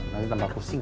nanti tambah pusing